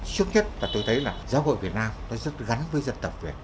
trước nhất là tôi thấy là giáo hội việt nam nó rất gắn với dân tộc việt